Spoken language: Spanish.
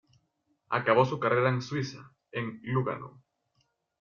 Acabó su carrera en Suiza, en Lugano.